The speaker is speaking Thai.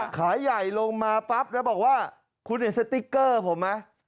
ขายใหญ่ลงมาปั๊บแล้วบอกว่าคุณเห็นสติ๊กเกอร์ผมไหม